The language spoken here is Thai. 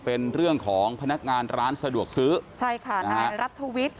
เป็นเรื่องของพนักงานร้านสะดวกซื้อใช่ค่ะนายรัฐวิทย์